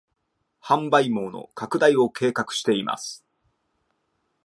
販売網の拡大を計画しています